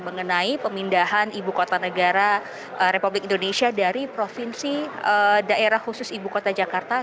mengenai pemindahan ibu kota negara republik indonesia dari provinsi daerah khusus ibu kota jakarta